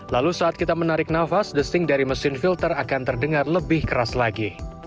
lalu saat kita menarik nafas desing dari mesin filter akan terdengar lebih keras lagi